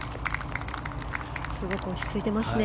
すごく落ち着いていますね。